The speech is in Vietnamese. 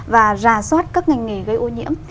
và rà soát các ngành nghề gây ô nhiễm